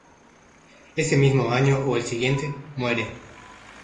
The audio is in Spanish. Ese mismo año o el siguiente, muere.